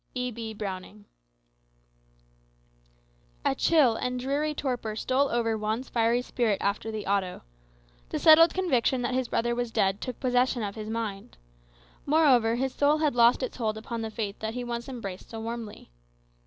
E. B. Browning A chill and dreary torpor stole over Juan's fiery spirit after the Auto. The settled conviction that his brother was dead took possession of his mind. Moreover, his soul had lost its hold upon the faith which he once embraced so warmly.